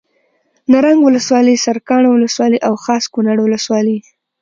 نرنګ ولسوالي سرکاڼو ولسوالي او خاص کونړ ولسوالي